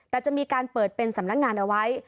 แต่จะมีการเปิดเป็นสำนักงานเอาไว้